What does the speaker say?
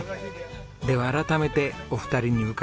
では改めてお二人に伺います。